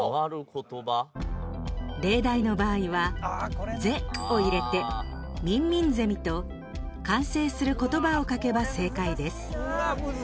例題の場合は「ぜ」を入れて「みんみんぜみ」と完成する言葉を書けば正解です。